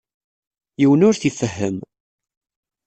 Yiwen ur t-ifehhem.